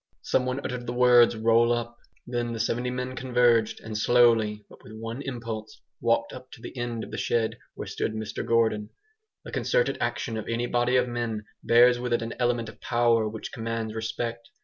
Someone uttered the words "roll up!". Then the seventy men converged, and slowly, but with one impulse, walked up to the end of the shed where stood Mr Gordon. The concerted action of any body of men bears with it an element of power which commands respect.